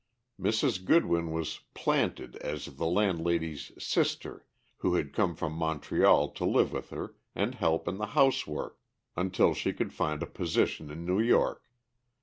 Mrs. Goodwin was "planted" as the landlady's "sister," who had come from Montreal to live with her and help in the housework until she could find a position in New York.